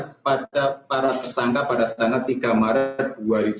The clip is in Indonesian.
kepada para tersangka pada tanggal tiga maret dua ribu dua puluh